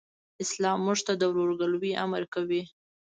اسلام موږ ته د ورورګلوئ امر کوي.